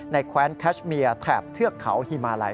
แคว้นแคชเมียแถบเทือกเขาฮิมาลัย